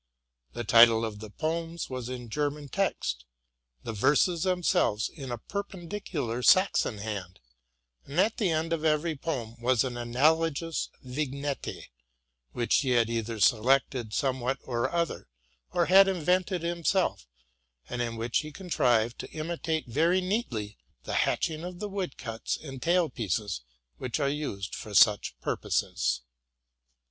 The title of the poems was in German text; the verses themselves in a perpendicular Saxon hand; and at the end of every poem was an analogous vignette, which he had either selected some where or other, or had invented himself, and in which he contrived to imitate very neatly the hatching of the wood cuats 248 TRUTH AND FICTION and tail pieces which are used for such purposes.